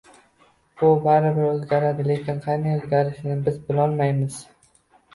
Bu baribir o‘zgaradi, lekin qanday o‘zgarishini biz bilolmaymiz.